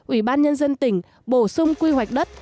ủy ban nhân dân tỉnh bổ sung quy hoạch đất